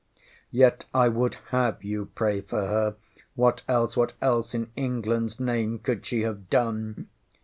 Yet I would have you pray for her! What else what else in EnglandŌĆÖs name could she have done?